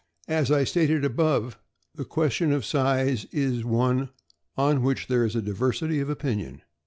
As I stated above, the question of size is one on which, there is a diversity of opinion.